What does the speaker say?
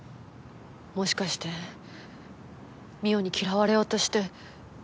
もしかして望緒に嫌われようとして。